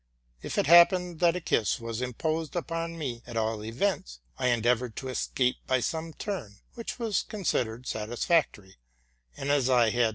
If it happened that a kiss was imposed upon me at all events, I endeavored to escape by some turn, which was considered satisfactory: and, as I had ~ RELATING TO MY LIFE.